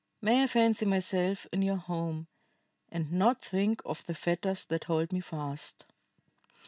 May I fancy myself in your home, and not think of the fetters that hold me fast!"